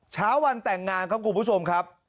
เช้าวันแต่งงานครับคุณผู้ชมครับ